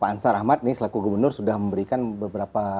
pak ansar ahmad ini selaku gubernur sudah memberikan beberapa